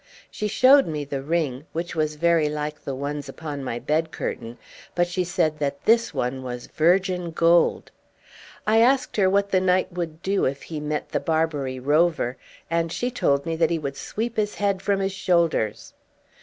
She showed me the ring, which was very like the ones upon my bed curtain; but she said that this one was virgin gold. I asked her what the knight would do if he met the Barbary rover, and she told me that he would sweep his head from his shoulders.